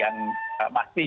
yang masih dievaluasi